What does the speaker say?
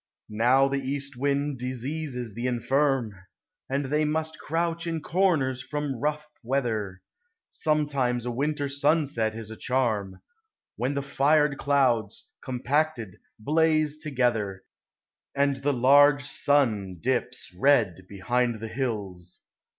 Now the east wind diseases the infirm, And they must crouch in corners from rough weather ; Sometimes a winter sunset is a charm When the fired clouds, compacted, blaze together, And the large sun dips red behind the hills.